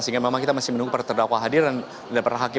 sehingga memang kita masih menunggu para terdakwa hadir dan para hakim